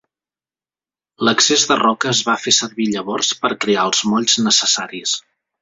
L'excés de roca es va fer servir llavors per crear els molls necessaris.